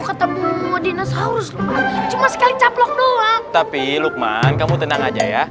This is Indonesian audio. ketemu dinosaurus cuma sekali capok doang tapi lukman kamu tenang aja ya